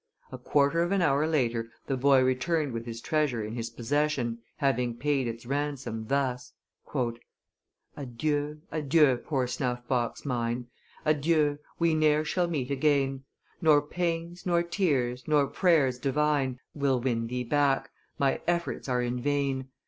A quarter of an hour later the boy returned with his treasure in his possession, having paid its ransom thus: "Adieu, adieu, poor snuff box mine; Adieu; we ne'er shall meet again: Nor pains, nor tears, nor prayers divine Will win thee back; my efforts are in vain!